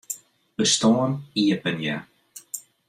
Bestân iepenje.